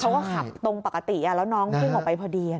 เขาก็ขับตรงปกติแล้วน้องวิ่งออกไปพอดี